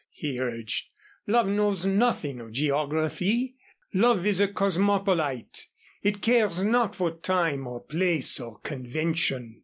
he urged. "Love knows nothing of geography. Love is a cosmopolite. It cares not for time or place or convention.